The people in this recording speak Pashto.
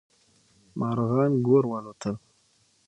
مارغان ګور والوتل.